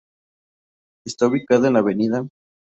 Está ubicado en la Av.